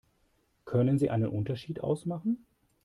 Können Sie einen Unterschied ausmachen?